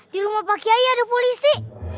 di rumah pak kiai ada polisi